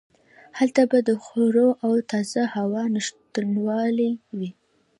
هلته به د خوړو او تازه هوا نشتوالی و.